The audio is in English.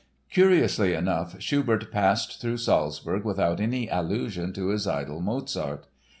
Curiously enough, Schubert passed through Salzburg without any allusion to his idol, Mozart.